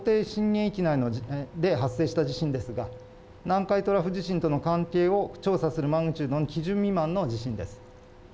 震源域内で発生した地震ですが、南海トラフ地震との関係を調査するマグニチュードの基準未満の地震です。